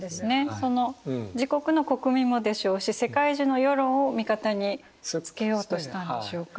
その自国の国民もでしょうし世界中の世論を味方につけようとしたんでしょうか。